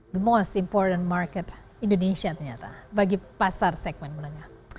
the most important market indonesia ternyata bagi pasar segmen menengah